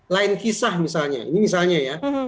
lain kisah misalnya ini misalnya ya